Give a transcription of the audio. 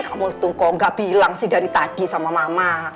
kamu tuh kok gak bilang sih dari tadi sama mama